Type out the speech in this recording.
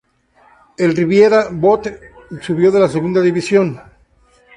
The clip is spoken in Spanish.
El Ribeira Bote subió de la segunda división.